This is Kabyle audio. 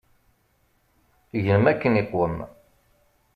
Gnem akken iqwem.